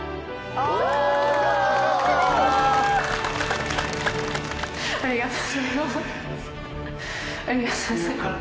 ありがとうございます。